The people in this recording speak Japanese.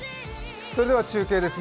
それでは中継です。